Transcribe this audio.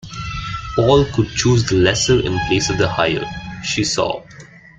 Paul could choose the lesser in place of the higher, she saw.